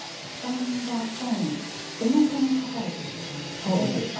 負担がさらに重くのしかかるということなんですね。